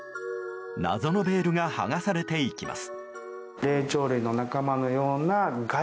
謎のベールが剥がされていきます。